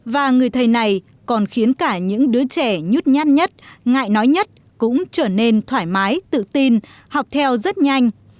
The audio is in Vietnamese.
và người thầy này còn khiến cả những đứa trẻ nhút nhăn nhất ngại nói nhất cũng trở nên thoải mái tự tin học theo rất nhanh